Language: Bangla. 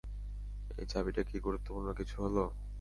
এই চাবিটা কি গুরুত্বপূর্ণ কিছু ছিলো?